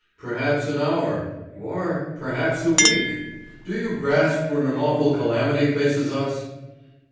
"Perhaps an hour or perhaps a week. Do you grasp what an awful calamity faces us?"